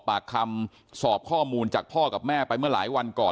ปากคำสอบข้อมูลจากพ่อกับแม่ไปเมื่อหลายวันก่อน